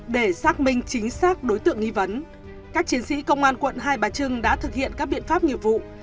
để xác minh chính xác đối tượng nghi vấn các chiến sĩ công an quận hai bà trưng đã thực hiện các biện pháp nghiệp vụ